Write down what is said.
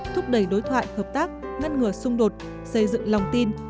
thúc đẩy đối thoại hợp tác ngăn ngừa xung đột xây dựng lòng tin